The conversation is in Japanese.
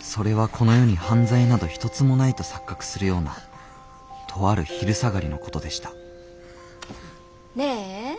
それはこの世に犯罪など一つもないと錯覚するようなとある昼下がりのことでしたねえ